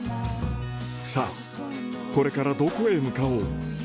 さあ、これからどこへ向かおう。